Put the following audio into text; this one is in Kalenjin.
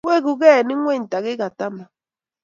Weguke eng ingweny takika taman---